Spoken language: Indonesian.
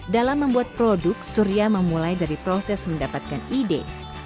dalam membuat produk surya memulai dari proses mendapatkan ide